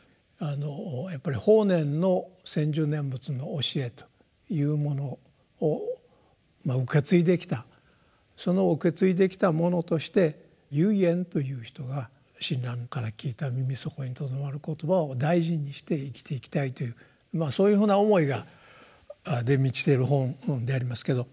やっぱり法然の「専修念仏」の教えというものを受け継いできたその受け継いできた者として唯円という人が親鸞から聞いた耳底に留まる言葉を大事にして生きていきたいというそういうふうな思いで満ちてる本でありますけど。